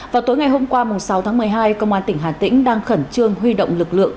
vào tối ngày hôm qua sáu tháng một mươi hai công an tỉnh hà tĩnh đang khẩn trương huy động lực lượng